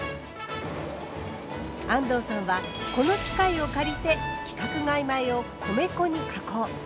安藤さんはこの機械を借りて規格外米を米粉に加工。